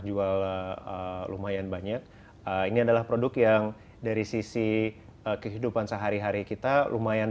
jual lumayan banyak ini adalah produk yang dari sisi kehidupan sehari hari kita lumayan